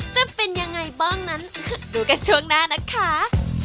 จะเป็นยังไงบ้างนั้นดูกันช่วงหน้านะคะ